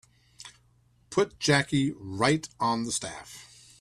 Put Jackie right on the staff.